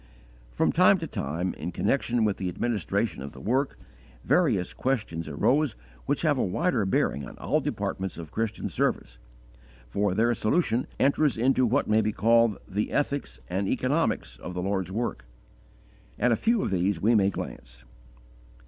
From time to time, in connection with the administration of the work, various questions arose which have a wider bearing on all departments of Christian service, for their solution enters into what may be called the ethics and economics of the Lord's work. At a few of these we may glance.